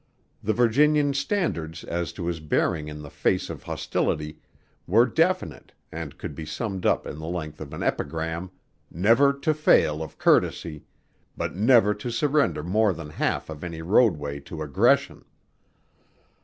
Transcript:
The Virginian's standards as to his bearing in the face of hostility were definite and could be summed up in the length of an epigram: Never to fail of courtesy, but never to surrender more than half of any roadway to aggression.